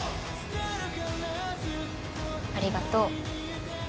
ありがとう。